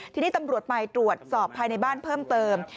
ทีนี้ตำรวจไปตรวจสอบภายในบ้านเพิ่มเติม